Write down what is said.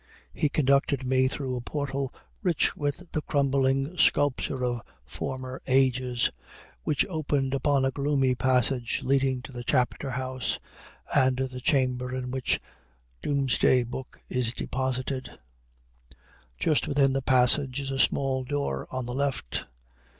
He conducted me through a portal rich with the crumbling sculpture of former ages, which opened upon a gloomy passage leading to the chapter house and the chamber in which doomsday book is deposited. Just within the passage is a small door on the left.